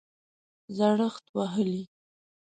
زړښت وهلی